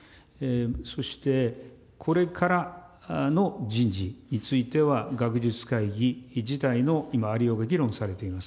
そして、これからの人事については、学術会議自体の今、ありようが議論されています。